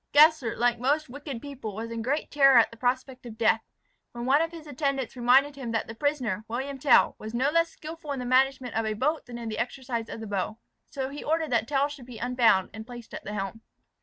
Gessler, like most wicked people, was in great terror at the prospect of death, when one of his attendants reminded him that the prisoner, William Tell, was no less skilful in the management of a boat than in the exercise of the bow. So he ordered that Tell should be unbound, and placed at the helm.